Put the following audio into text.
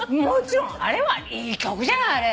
もちろんあれはいい曲じゃない。